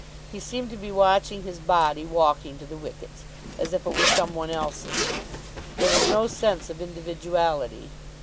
He seemed to be watching his body walking to the wickets, as if it were some one else's. There was no sense of individuality.